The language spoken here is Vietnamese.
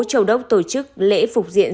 châu đốc tổ chức lễ phục diện